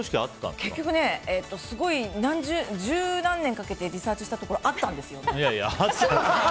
結局、十何年かけてリサーチしたところあったんですよね。